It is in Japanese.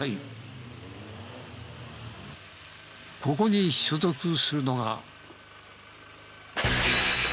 ここに所属するのが。